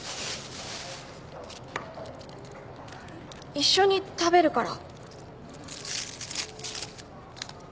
一緒に食べるから。